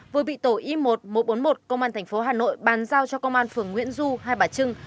vừa bị tổ y một một trăm bốn mươi một công an thành phố hà nội bàn giao cho công an phường nguyễn du hai bà trưng